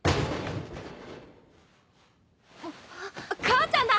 ・母ちゃんだ！